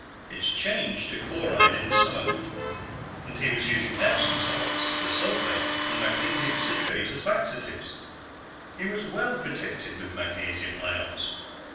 It's changed to chloride in the stomach. And he was using Epsom salts the sulfate, and magnesium citrate as laxatives. He was well protected with magnesium ions."